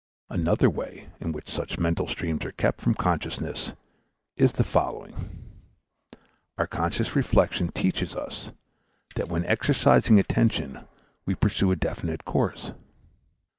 Another way in which such mental streams are kept from consciousness is the following: Our conscious reflection teaches us that when exercising attention we pursue a definite course.